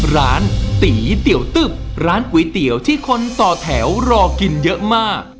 ร้านตีเตี๋ยวตึ๊บร้านก๋วยเตี๋ยวที่คนต่อแถวรอกินเยอะมาก